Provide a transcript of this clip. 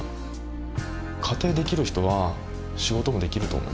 家庭できる人は仕事もできると思います。